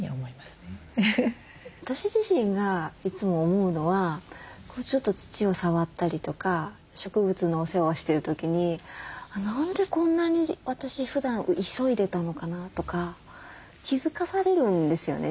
私自身がいつも思うのはちょっと土を触ったりとか植物のお世話をしてる時に「何でこんなに私ふだん急いでたのかな」とか気付かされるんですよね。